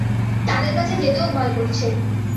তাদের কাছে যেতেও ভয় করছে।